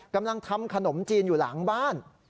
กำลังทำขนมจีนอยู่หลังบ้าน